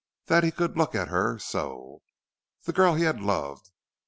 That he could look at her so! The girl he had loved!